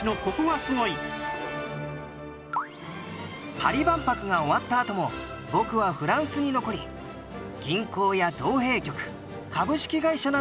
パリ万博が終わったあとも僕はフランスに残り銀行や造幣局株式会社などを見学。